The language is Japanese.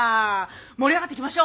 盛り上がっていきましょう。